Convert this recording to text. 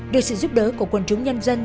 được sự giúp đỡ của quân chúng nhân dân